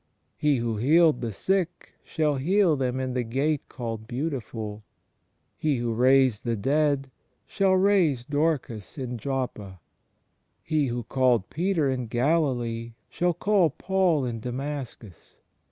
He who healed the sick shall heal them in the Gate called Beautiful; He who raised the dead shall raise Dorcas in * Luke vi : 38. 164 THE FRIENDSHIP OF CHRIST Joppa; He who called Peter in Galilee, shall call Paul in Damascus.